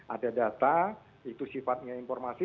ada data itu sifatnya informasi